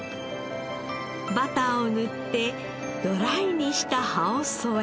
バターを塗ってドライにした葉を添え。